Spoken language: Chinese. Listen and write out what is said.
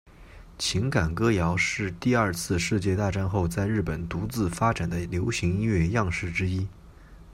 情感歌谣是第二次世界大战后在日本独自发展的流行音乐样式之一。